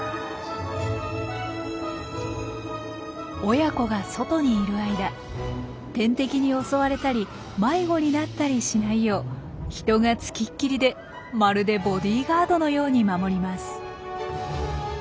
親子が外にいる間天敵に襲われたり迷子になったりしないよう人が付きっきりでまるでボディーガードのように守ります。